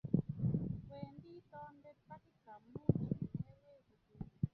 Wendi toondet takika muut komeweguge